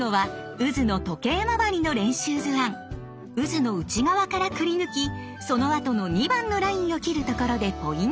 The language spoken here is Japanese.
うずの内側からくりぬきそのあとの２番のラインを切るところでポイントが！